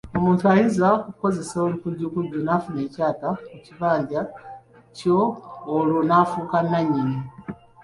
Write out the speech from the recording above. Omuntu ayinza okukozesa olukujjukujju n’afuna ekyapa ku kibanja kyo olwo n’afuuka nnannyini.